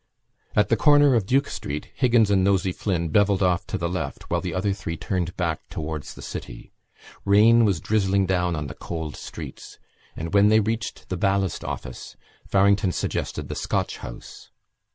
At the corner of Duke Street Higgins and Nosey Flynn bevelled off to the left while the other three turned back towards the city. Rain was drizzling down on the cold streets and, when they reached the Ballast Office, Farrington suggested the Scotch House.